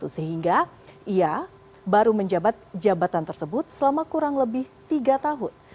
sehingga ia baru menjabat jabatan tersebut selama kurang lebih tiga tahun